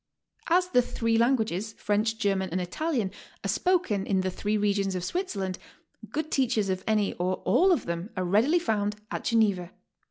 As the three languagfcs, French, German, and Italian, are spoken in the three regions of Switzerland, good teachers of any 'or all of them are readily found at Geneva.